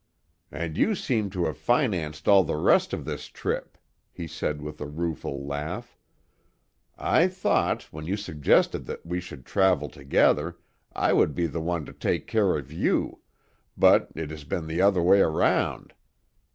"And you seem to have financed all the rest of the trip," he said with a rueful laugh. "I thought, when you suggested that we should travel together, I would be the one to take care of you, but it has been the other way around.